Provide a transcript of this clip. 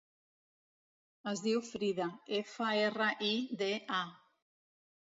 Es diu Frida: efa, erra, i, de, a.